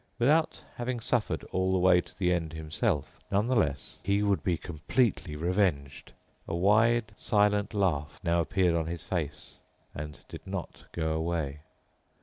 Without having suffered all the way to the end himself, nonetheless he would be completely revenged. A wide, silent laugh now appeared on his face and did not go away.